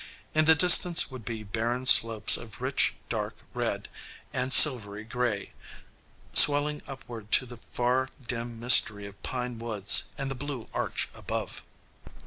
In the distance would be barren slopes of rich dark red and silvery gray, swelling upward to the far dim mystery of pine woods and the blue arch above.